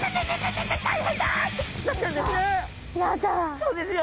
そうですよ。